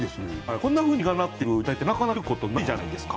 こんなふうに実がなっている状態ってなかなか見ることないじゃないですか。